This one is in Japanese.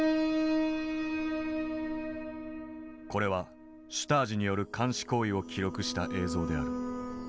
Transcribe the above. これはシュタージによる監視行為を記録した映像である。